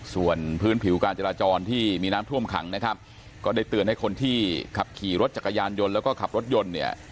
ส่วนพื้นผิวการจราจรที่มีน้ำท่วมขังนะครับก็ได้เตือนให้คนที่ขับขี่รถจักรยานยนต์แล้วก็ขับรถยนต์เนี่ย